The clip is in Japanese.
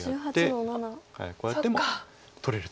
こうやっても取れると。